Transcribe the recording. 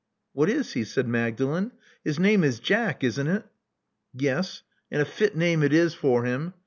What is he?" said Magdalen. His name is Jack," isn't it?" Yes; and a fit name it is for him.